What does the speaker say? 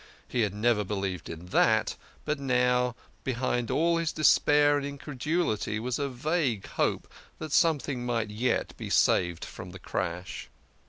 He had never believed in that, but now, behind all his despair and incredulity, was a vague hope that something might yet be saved from the crash.